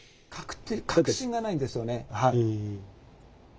確信がないんですよね。